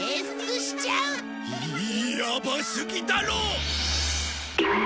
やばすぎだろ！